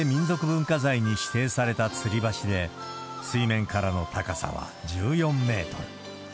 文化財に指定されたつり橋で、水面からの高さは１４メートル。